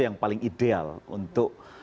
yang paling ideal untuk